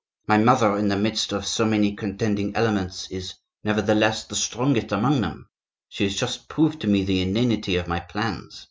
My mother, in the midst of so many contending elements, is, nevertheless, the strongest among them; she has just proved to me the inanity of my plans.